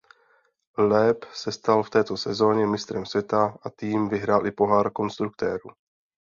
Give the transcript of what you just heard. Loeb se stal v této sezoně mistrem světa a tým vyhrál i pohár konstruktérů.